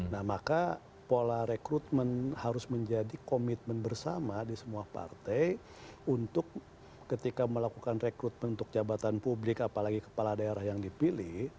nah maka pola rekrutmen harus menjadi komitmen bersama di semua partai untuk ketika melakukan rekrutmen untuk jabatan publik apalagi kepala daerah yang dipilih